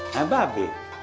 nah mbak be